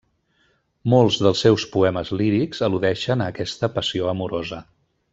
Molts dels seus poemes lírics al·ludeixen a aquesta passió amorosa.